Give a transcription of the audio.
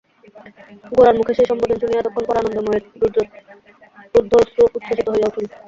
গোরার মুখে সেই সম্বোধন শুনিয়া এতক্ষণ পরে আনন্দময়ীর রুদ্ধ অশ্রু উচ্ছ্বসিত হইয়া উঠিল।